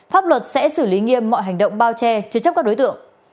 pháp luật sẽ xử lý nghiêm mọi hành động bao che chứa chấp các đối tượng